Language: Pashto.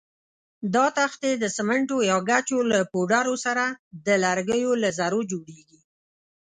دا تختې د سمنټو یا ګچو له پوډرو سره د لرګیو له ذرو جوړېږي.